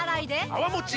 泡もち